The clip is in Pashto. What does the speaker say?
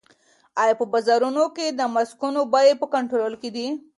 آیا په بازارونو کې د ماسکونو بیې په کنټرول کې دي؟